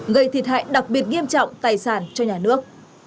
gây thiệt hại đặc biệt nghiêm trọng tài sản cho nhà nước